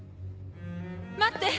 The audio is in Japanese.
待って！